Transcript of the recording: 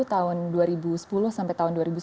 tahun dua ribu sepuluh sampai tahun dua ribu sepuluh